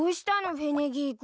フェネギー君。